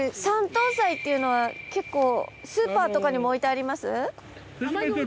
山東菜っていうのは結構スーパーとかにも置いてあります？